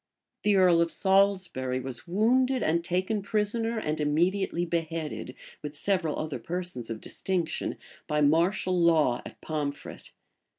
The earl of Salisbury was wounded and taken prisoner, and immediately beheaded, with several other persons of distinction, by martial law at Pomfret.